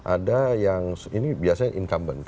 ada yang ini biasanya incumbent